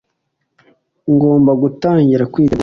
ngomba gutangira kwitegura